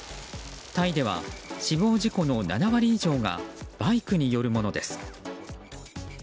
タイでは、死亡事故の７割以上がバイクによるものです。